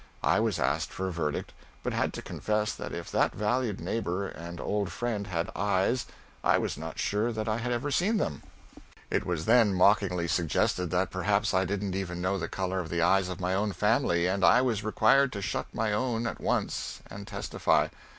I was asked for a verdict, but had to confess that if that valued neighbor and old friend had eyes I was not sure that I had ever seen them. It was then mockingly suggested that perhaps I didn't even know the color of the eyes of my own family, and I was required to shut my own at once and testify.